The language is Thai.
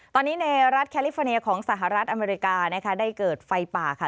ตอนนี้ในรัฐแคลิฟอร์เนียของสหรัฐอเมริกานะคะได้เกิดไฟป่าค่ะ